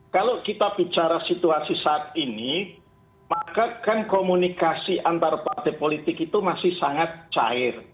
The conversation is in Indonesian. kalau kita bicara situasi saat ini maka kan komunikasi antar partai politik itu masih sangat cair